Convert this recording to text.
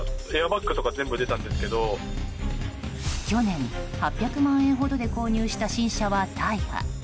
去年８００万円ほどで購入した新車は大破。